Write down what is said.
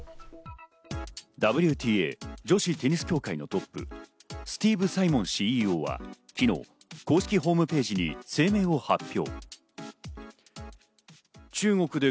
ＷＴＡ＝女子テニス協会のトップ、スティーブ・サイモンＣＥＯは昨日公式ホームページに声明を発表。